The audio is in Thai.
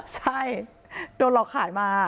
ใช่โดนหลอกขายมา